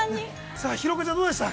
◆さあ廣岡ちゃん、どうでした。